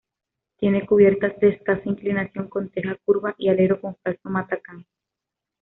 Tiene cubiertas de escasa inclinación con teja curva y alero con falso matacán.